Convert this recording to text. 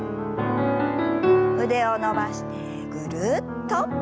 腕を伸ばしてぐるっと。